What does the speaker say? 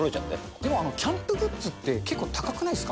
でもキャンプグッズって結構高くないですか。